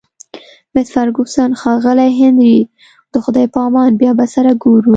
مس فرګوسن: ښاغلی هنري، د خدای په امان، بیا به سره ګورو.